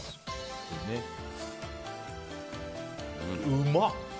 うまっ！